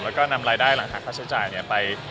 แล้วก็นำรายได้หลังหาค่าใช้จ่ายไป